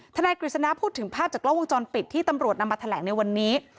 นายกฤษณะพูดถึงภาพจากกล้องวงจรปิดที่ตำรวจนำมาแถลงในวันนี้